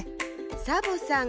サボさん